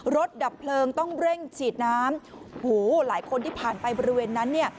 ดับเพลิงต้องเร่งฉีดน้ำหูหลายคนที่ผ่านไปบริเวณนั้นเนี่ย